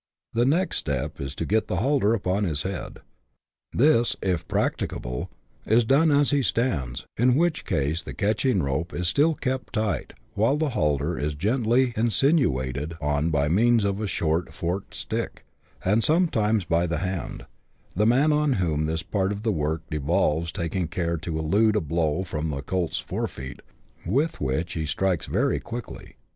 The next step is to get the halter upon his head ; this, if practicable, is done as he stands, in which case the catching rope is still kept tight, while the halter is gently "insinuated" on by means of a short 80 BUSH LIFE IN AUSTEALIA. [chap. vii. forked stick, and sometimes by the hand, the man on whom this part of the work devolves taking care to elude a blow from the colt's forefeet, with which he strikes very quickly.